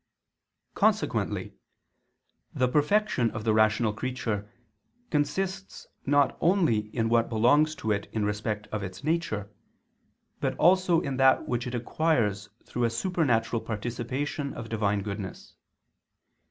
Consequently the perfection of the rational creature consists not only in what belongs to it in respect of its nature, but also in that which it acquires through a supernatural participation of Divine goodness.